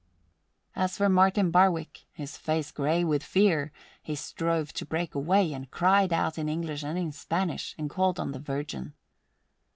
As for Martin Barwick, his face grey with fear, he strove to break away, and cried out in English and in Spanish, and called on the Virgin.